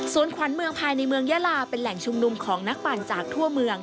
ส่วนขวัญเมืองภายในเมืองยาลาเป็นแหล่งชุมนุมของนักปั่นจากทั่วเมือง